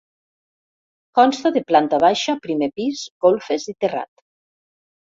Consta de planta baixa, primer pis, golfes i terrat.